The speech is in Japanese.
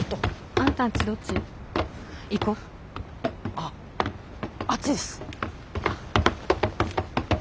ああっちです！